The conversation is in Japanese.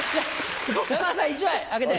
すごい！山田さん１枚あげて。